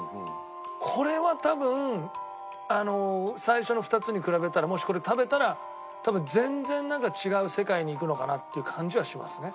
これは多分あの最初の２つに比べたらもしこれ食べたら多分全然なんか違う世界に行くのかなっていう感じはしますね。